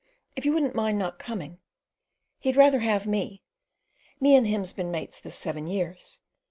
If you wouldn't mind not coming. He'd rather have me. Me and him's been mates this seven years.